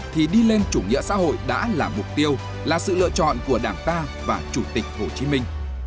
thì đi lên chủ nghĩa xã hội đã là mục tiêu là sự lựa chọn của đảng ta và chủ tịch hồ chí minh